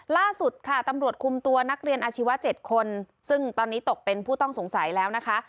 ล่าสุดค่ะตำรวจคุมตัวนักเรียนอาชีวะ๗คนซึ่งตอนนี้ตกเป็นผู้ต้องสงสัยแล้วนะคะ